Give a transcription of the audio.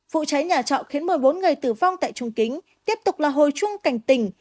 vụ cháy nhà trọ khiến một mươi bốn người tử vong tại trung kính tiếp tục là hồi chuông cảnh tỉnh